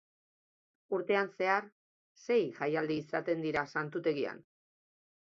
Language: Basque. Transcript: Urtean zehar sei jaialdi izaten dira santutegian.